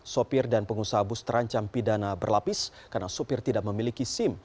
sopir dan pengusaha bus terancam pidana berlapis karena supir tidak memiliki sim